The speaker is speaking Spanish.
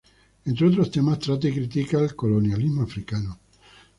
Entre otros temas trata y critica colonialismo africano.